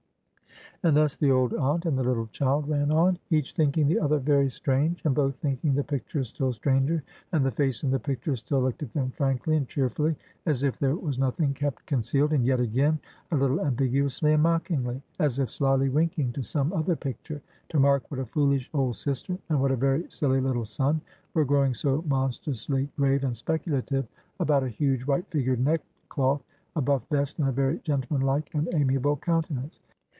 And thus the old aunt and the little child ran on; each thinking the other very strange; and both thinking the picture still stranger; and the face in the picture still looked at them frankly, and cheerfully, as if there was nothing kept concealed; and yet again, a little ambiguously and mockingly, as if slyly winking to some other picture, to mark what a very foolish old sister, and what a very silly little son, were growing so monstrously grave and speculative about a huge white figured neckcloth, a buff vest, and a very gentleman like and amiable countenance.